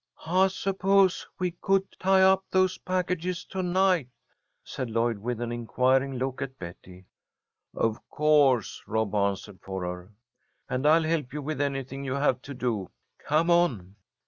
"I suppose we could tie up those packages to night," said Lloyd, with an inquiring look at Betty. "Of course," Rob answered for her. "And I'll help you with anything you have to do. Come on."